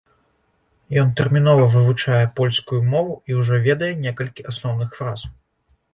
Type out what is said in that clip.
Ён тэрмінова вывучае польскую мову і ўжо ведае некалькі асноўных фраз.